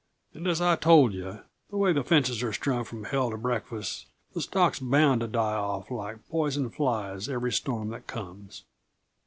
And, as I told yuh, the way the fences are strung from hell to breakfast, the stock's bound to die off like poisoned flies every storm that comes."